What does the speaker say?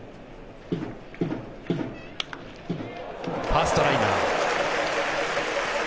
ファーストライナー。